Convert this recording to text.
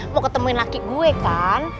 mau ketemuin laki gue kan